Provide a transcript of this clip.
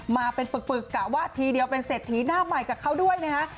มาเป็นปึกกะว่าทีเดียวเป็นเศรษฐีหน้าใหม่กับเขาด้วยนะฮะ